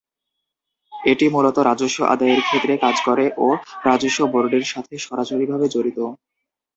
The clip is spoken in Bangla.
এটি মূলত রাজস্ব আদায়ের ক্ষেত্রে কাজ করে ও রাজস্ব বোর্ডের সাথে সরাসরিভাবে জড়িত।